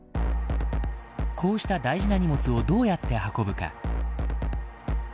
こうした大事な荷物をどうやって運ぶか。